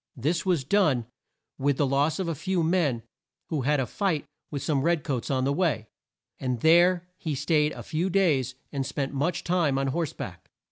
This was done, with the loss of a few men who had a fight with some red coats on the way, and there he staid a few days, and spent much time on horse back.